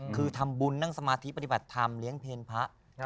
คือทำบุญนั่งสมาธิปฏิบัติธรรมเลี้ยงเพลพระ